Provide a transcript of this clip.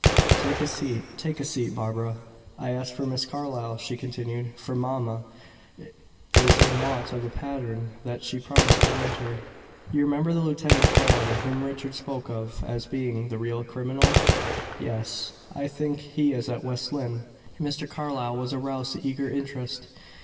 "Take a seat take a seat, Barbara." "I asked for Miss Carlyle," she continued, "for mamma is in want of a pattern that she promised to lend her. You remember the Lieutenant Thorn whom Richard spoke of as being the real criminal?" "Yes." "I think he is at West Lynne." Mr. Carlyle was aroused to eager interest.